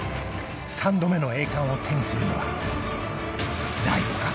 ［３度目の栄冠を手にするのは大悟か？